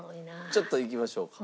ちょっといきましょうか。